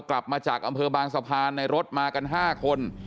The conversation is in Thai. กลับมาจากอำเภอบางสะพานในรถมากัน๕คน